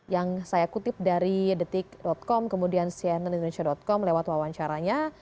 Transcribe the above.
yang saya kutip dari detik com kemudian cnn indonesia com lewat wawancaranya